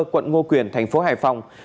quận ngo quyền thành phố hải phòng